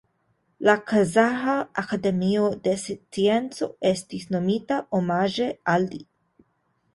La Kazaĥa Akademio de Sciencoj estis nomita omaĝe al li.